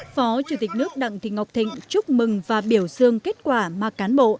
phó chủ tịch nước đặng thị ngọc thịnh chúc mừng và biểu dương kết quả mà cán bộ